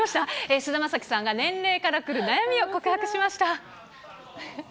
菅田将暉さんが、年齢からくる悩みを告白しました。